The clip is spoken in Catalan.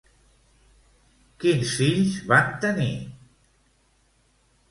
Quins fills van tenir?